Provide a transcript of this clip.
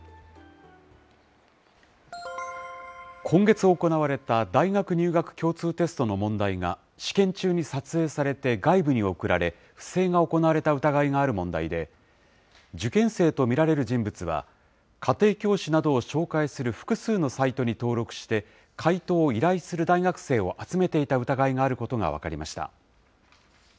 今月行われた大学入学共通テストの問題が、試験中に撮影されて外部に送られ、不正が行われた疑いがある問題で、受験生と見られる人物は、家庭教師などを紹介する複数のサイトに登録して、解答を依頼する大学生を集めていた疑いがあることが分かりました。